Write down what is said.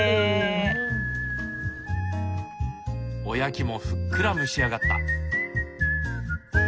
おやきもふっくら蒸し上がった。